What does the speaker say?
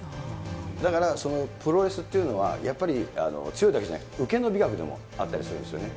だからそのプロレスというのは、やっぱり強いだけじゃなくて、受けの美学でもあったりするんですよね。